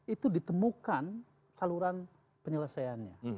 itu ditemukan saluran penyelesaiannya